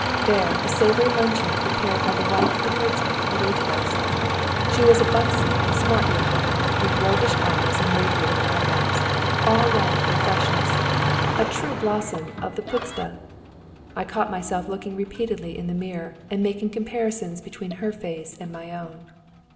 There, a savoury luncheon, prepared by the wife of the herdsman, awaited us. She was a buxom, smart young woman, with roguish eyes and radiating eyebrows, all life and freshness, a true blossom of the puszta. I caught myself looking repeatedly in the mirror, and making comparisons between her face and my own.